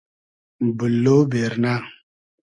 بوللۉ بېرنۂ